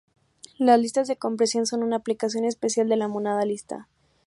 Las listas de comprensión, son un aplicación especial de la mónada lista.